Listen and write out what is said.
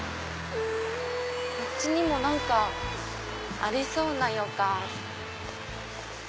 こっちにも何かありそうな予感。